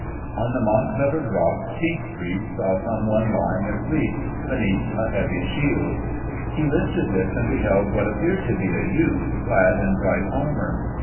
On the moss covered rock Siegfried saw someone lying asleep, beneath a heavy shield. He lifted this and beheld what appeared to be a youth clad in bright armour.